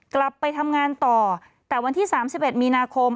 กลับไปทำงานต่อแต่วันที่๓๑มีนาคม